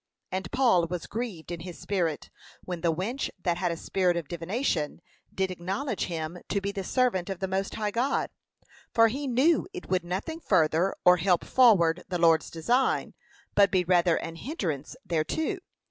And Paul was grieved in his spirit, when the wench that had a spirit of divination did acknowledge him to be the servant of the most high God, for he knew it would nothing further, or help forward, the Lord's design, but be rather an hinderance thereto.